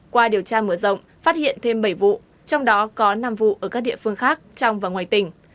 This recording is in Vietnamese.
qua điều tra mở rộng phát hiện thêm bảy vụ trong đó có năm vụ ở các địa phương khác trong và ngoài tỉnh